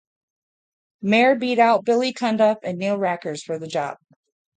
Mare beat out Billy Cundiff and Neil Rackers for the job.